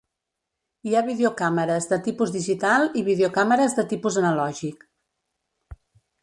Hi ha videocàmeres de tipus digital i videocàmeres de tipus analògic.